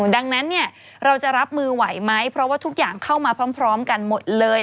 ดังนั้นเราจะรับมือไหวไหมเพราะว่าทุกอย่างเข้ามาพร้อมกันหมดเลย